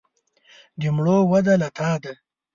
د مړو وده له تا ده.